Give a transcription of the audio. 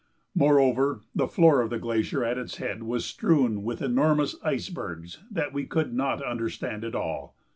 Moreover, the floor of the glacier at its head was strewn with enormous icebergs that we could not understand at all.